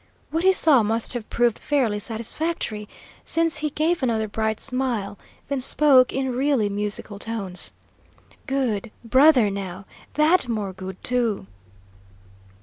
What he saw must have proved fairly satisfactory, since he gave another bright smile, then spoke in really musical tones: "Good, brother, now! That more good, too!"